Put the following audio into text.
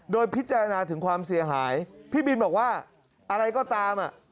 โดยพิจารณาถึงความเสียหายพี่บินบอกว่าอะไรก็ตามอ่ะ